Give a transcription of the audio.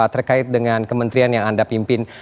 terkait dengan kementerian yang anda pimpin